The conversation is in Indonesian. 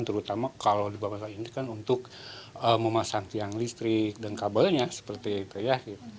terutama kalau di bawah saya ini kan untuk memasang tiang listrik dan kabelnya seperti itu ya